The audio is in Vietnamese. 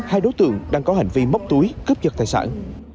hai đối tượng đang có hành vi móc túi cướp giật tài sản